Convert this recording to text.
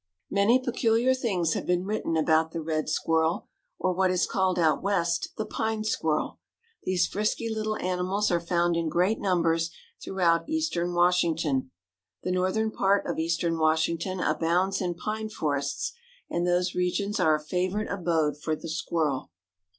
Many peculiar things have been written about the red squirrel, or what is called out west, the Pine Squirrel. These frisky little animals are found in great numbers throughout eastern Washington. The northern part of eastern Washington abounds in pine forests, and those regions are a favorite abode for the squirrel.